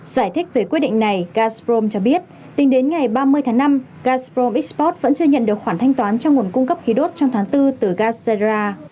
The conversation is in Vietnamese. giải thích về quyết định này gazprom cho biết tính đến ngày ba mươi tháng năm gazpromxport vẫn chưa nhận được khoản thanh toán cho nguồn cung cấp khí đốt trong tháng bốn từ gazera